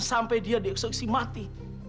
sampai dia dieksekusi mati